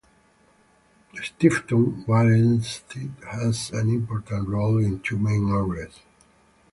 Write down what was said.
Stiftung Warentest has an important role in two main areas.